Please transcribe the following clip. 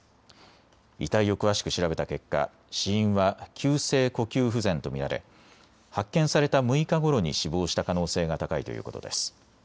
遺体を詳しく調べた結果、死因は急性呼吸不全と見られ発見された６日ごろに死亡した可能性が高いということです。